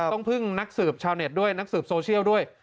ต้องพึ่งนักสืบชาวเน็ตด้วยนักสืบโซเชียลด้วย